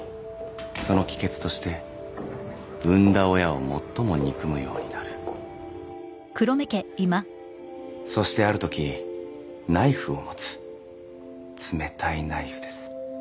その帰結として産んだ親を最も憎むようになるそしてあるときナイフを持つ冷たいナイフです